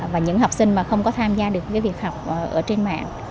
và những học sinh mà không có tham gia được việc học trên mạng